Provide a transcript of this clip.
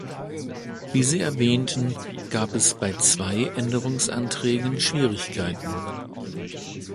Wie Sie erwähnten, gab es bei zwei Änderungsanträgen Schwierigkeiten.